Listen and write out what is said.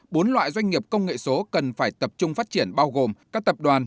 bốn loại doanh nghiệp công nghệ số cần phải tập trung phát triển bao gồm các tập đoàn